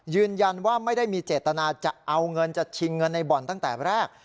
ยืนยันว่าไม่ได้มีเจตนาจะเอาเงินจะชิงเงินในบ่อนตั้งแต่แรก